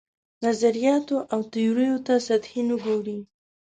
نظریاتو او تیوریو ته سطحي نه ګوري.